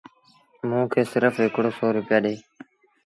موݩ کي سرڦ هڪڙو سو روپيآ ڏي